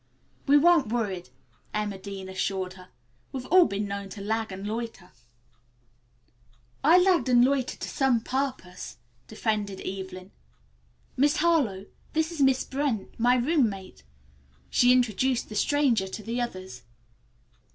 "We weren't worried," Emma Dean assured her. "We've all been known to lag and loiter." "I lagged and loitered to some purpose," defended Evelyn. "Miss Harlowe, this is Miss Brent, my roommate." She introduced the stranger to the others.